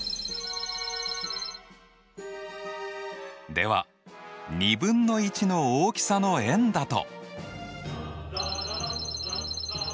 では２分の１の大きさの円だと？